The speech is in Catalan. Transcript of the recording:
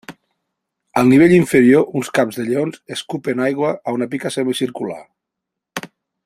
Al nivell inferior uns caps de lleons escupen aigua a una pica semicircular.